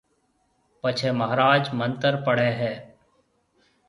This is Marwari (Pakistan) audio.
پڇيَ مھاراج منتر پڙھيََََ ھيََََ